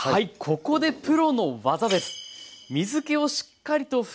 ここでプロの技です！